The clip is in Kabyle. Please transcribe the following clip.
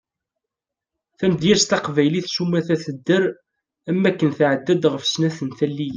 Tamedyazt taqbaylit sumata tedder am waken tɛedda-d ɣef snat n taliyin.